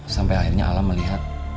sampai akhirnya alam melihat